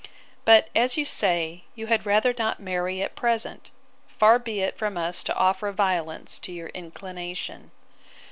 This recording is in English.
But, as you say, you had rather not marry at present, far be it from us to offer violence to your inclination!